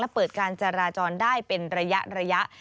เปิดการจราจรได้เป็นระยะ